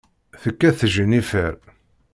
Tekkat Jennifer.